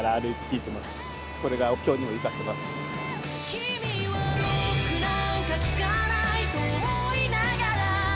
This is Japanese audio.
「君はロックなんか聴かないと思いながら」